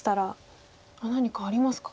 何かありますか。